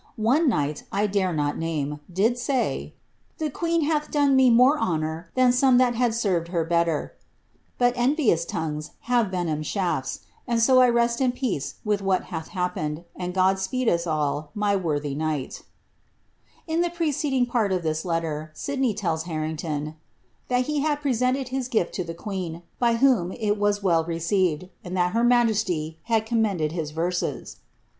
One knight, I dare not name, did say ^ the queen hath done me Kwe honour than some that had served her better ;' but envious tongues acre venomed shafts, and so I rest in peace with what hath happened, ad God speed us all, my worthy knight" In the preceding part of this letter, Sidney tells Harrington, ^ that he ad presented his gift to the queen, by whom it was well received, and Mt her majesty haid commended his verses.